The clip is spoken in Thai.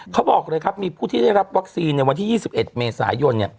เขาบอกเลยครับมีผู้ที่ได้รับวัคซีนในวันที่๒๑เมษายน